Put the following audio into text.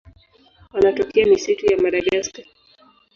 Wanatokea misitu ya Madagaska.